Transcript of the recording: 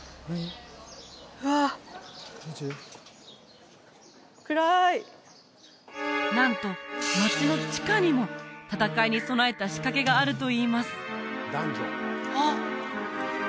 うわっ暗いなんと街の地下にも戦いに備えた仕掛けがあるといいますあっ！